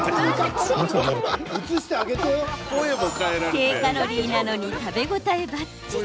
低カロリーなのに食べ応えばっちり。